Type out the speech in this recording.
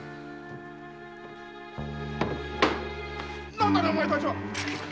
何だねお前たちは！